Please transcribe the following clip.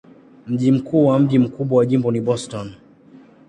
Mji mkuu na mji mkubwa wa jimbo ni Boston.